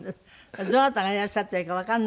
どなたがいらっしゃってるかわかんないぐらい？